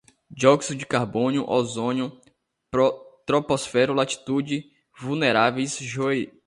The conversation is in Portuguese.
dióxido de carbono, ozônio troposférico, latitudes, vulneráveis, joeirando